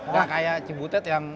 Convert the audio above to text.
gak kayak cibutet yang